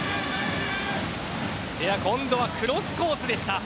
今度はクロスコースでした。